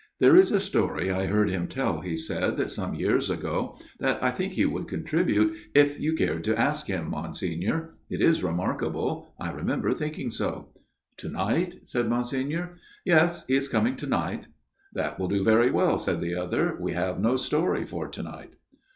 " There is a story I heard him tell," he said, " some years ago, that I think he would contribute if you cared to ask him, Monsignor. It is remarkable ; I remember thinking so." " To night ?" said Monsignor. ' Yes ; he is coming to night." " That will do very well," said the other, " we have no story for to night."